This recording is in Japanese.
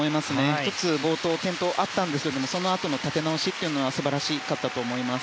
１つ、冒頭に転倒があったんですけれどもそのあとの立て直しは素晴らしかったと思います。